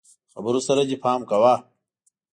د خبرو سره دي پام کوه!